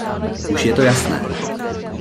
Už je to jasné.